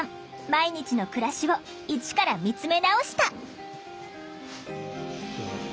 毎日の暮らしをイチから見つめ直した！